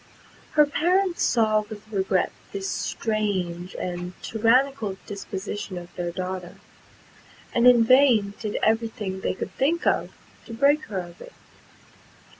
Her parents saw with regret this strange and tyrannical disposition of their daughter, and in vain did every thing they could think of to break her of it.